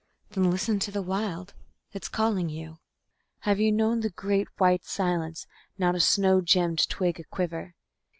Then listen to the Wild it's calling you. Have you known the Great White Silence, not a snow gemmed twig aquiver?